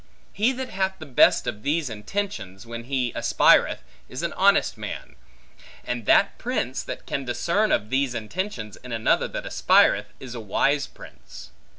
He that hath the best of these intentions, when he aspireth, is an honest man; and that prince, that can discern of these intentions in another that aspireth, is a wise prince.